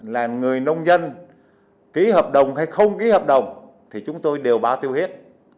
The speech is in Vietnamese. là người nông dân ký hợp đồng hay không ký hợp đồng thì chúng tôi đều bao tiêu hết